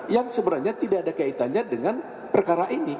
yang sebenarnya tidak ada kaitannya dengan perkara ini